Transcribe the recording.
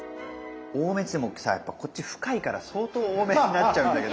多めっていってもさやっぱこっち深いから相当多めになっちゃうんだけど。